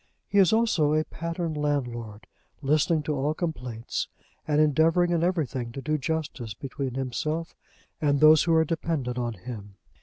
He is also a pattern landlord, listening to all complaints, and endeavouring in everything to do justice between himself and those who are dependent on him.